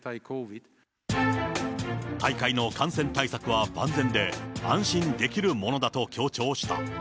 大会の感染対策は万全で、安心できるものだと強調した。